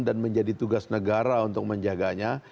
dan menjadi tugas negara untuk menjaganya